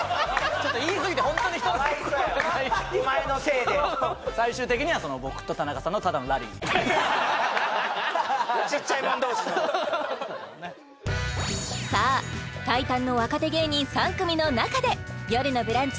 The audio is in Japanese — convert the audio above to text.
ちょっと言いすぎてホントに人の心がないお前のせいで僕と田中さんのただのラリー・ちっちゃいもん同士のさあタイタンの若手芸人３組の中で「よるのブランチ」